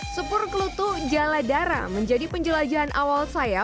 supur kelutu jaladara menjadi penjelajahan awal saya